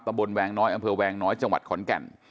บนแวงน้อยอำเภอแวงน้อยจังหวัดขอนแก่น